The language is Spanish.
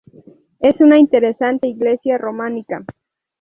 Es una interesante iglesia románica.